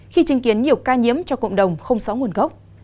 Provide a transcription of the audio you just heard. khi chứng kiến nhiều ca nhiễm cho cộng đồng không xóa nguồn gốc